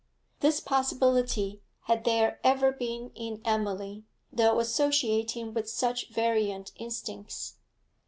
This possibility had there ever been in Emily, though associating with such variant instincts.